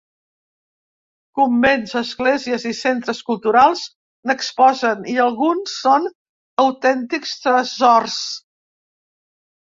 Convents, esglésies i centres culturals n’exposen i alguns són autèntics tresors.